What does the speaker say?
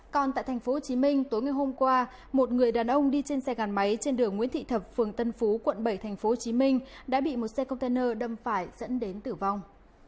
còn tại thành phố hồ chí minh tối ngày hôm qua một người đàn ông đi trên xe gàn máy trên đường nguyễn thị thập phường tân phú quận bảy thành phố hồ chí minh đã bị một xe container đâm phải dẫn đến tử vong